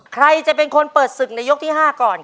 ใครจะเป็นคนเปิดศึกในยกที่๕ก่อน